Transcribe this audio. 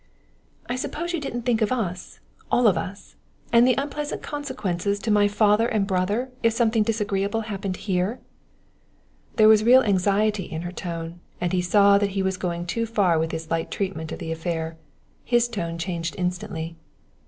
"I suppose you didn't think of us all of us, and the unpleasant consequences to my father and brother if something disagreeable happened here!" There was real anxiety in her tone, and he saw that he was going too far with his light treatment of the affair. His tone changed instantly.